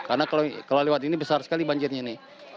karena kalau lewat ini besar sekali banjirnya ini